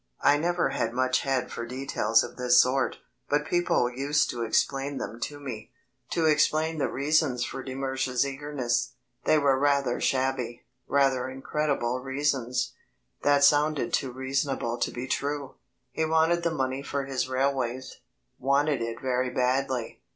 I never had much head for details of this sort, but people used to explain them to me to explain the reasons for de Mersch's eagerness. They were rather shabby, rather incredible reasons, that sounded too reasonable to be true. He wanted the money for his railways wanted it very badly.